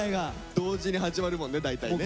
同時に始まるもんね大体ね。